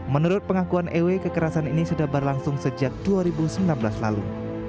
menurut pengakuan ew kekerasan ini sudah berlangsung sejak dua ribu sembilan belas lalu